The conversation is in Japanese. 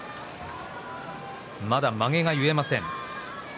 まだ、まげが結えません。